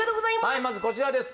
はいまずこちらです